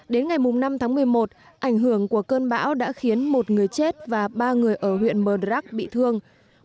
đến ngày năm tháng một mươi một ảnh hưởng của cơn bão đã khiến một người chết và ba người ở huyện mờ rắc bị thương